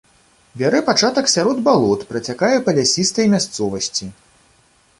Бярэ пачатак сярод балот, працякае па лясістай мясцовасці.